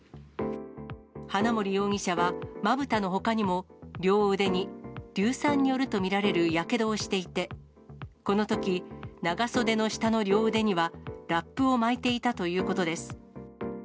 花森容疑者は、まぶたのほかにも、両腕に硫酸によると見られるやけどをしていて、このとき、長袖の下の両腕にはラップを巻いていたということです。